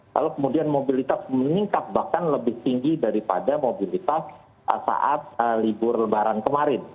lalu kemudian mobilitas meningkat bahkan lebih tinggi daripada mobilitas saat libur lebaran kemarin